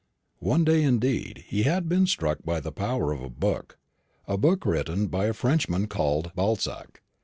One day, indeed, he had been struck by the power of a book, a book written by a certain Frenchman called Balzac.